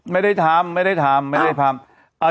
ไม่ได้ทำไม่ได้ทำไม่ได้ทำ